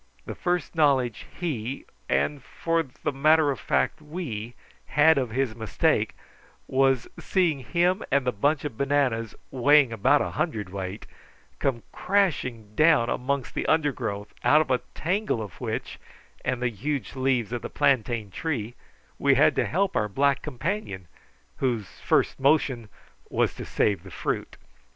The first knowledge he, and for the matter of fact we, had of his mistake, was seeing him and the bunch of bananas, weighing about a hundredweight, come crashing down amongst the undergrowth, out of a tangle of which, and the huge leaves of the plantain tree, we had to help our black companion, whose first motion was to save the fruit.